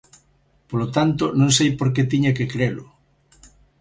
Polo tanto, non sei por que tiña que crelo.